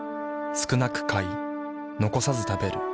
少なく買い残さず食べる。